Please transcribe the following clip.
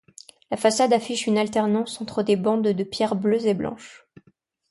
La façade affiche une alternance entre des bandes de pierres bleue et blanches.